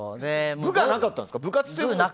部がなかったんですよ。